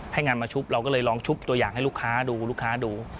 ให้งานมาชุบเราก็เลยลองชุบตัวอย่างให้ลูกค้าดูลูกค้าดู